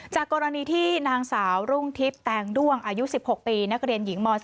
จากกรณีที่นางสาวรุ่งทิพย์แตงด้วงอายุ๑๖ปีนักเรียนหญิงม๔